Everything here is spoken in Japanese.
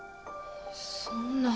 そんな。